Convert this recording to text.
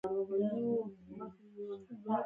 دا به د دیندارانو د خولې خوند هم ورخراب کړي.